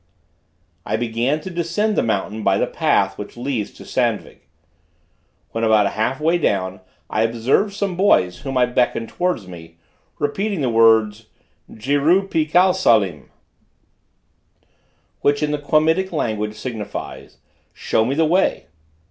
I began to descend the mountain by the path which leads to Sandvig. When about half way down, I observed some boys, whom I beckoned towards me, repeating the words: Jeru pikal salim, which in the Quamitic language signify: show me the way.